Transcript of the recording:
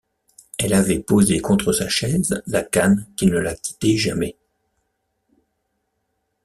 Elle avait posé contre sa chaise la canne qui ne la quittait jamais.